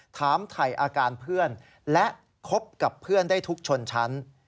ถามถ่ายอาการเพื่อนและคบกับเพื่อนได้ทุกชนชั้น